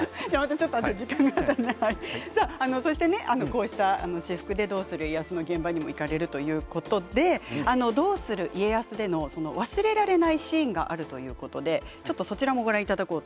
こうした私服で「どうする家康」の現場に行かれるということで忘れられないシーンがあるということでそちらもご覧ください。